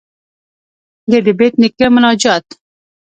ددبېټ نيکه مناجات.